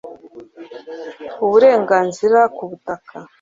Uburenganzira ku butaka